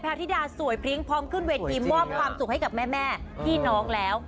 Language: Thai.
ธิดาสวยพริ้งพร้อมขึ้นเวทีมอบความสุขให้กับแม่พี่น้องแล้ว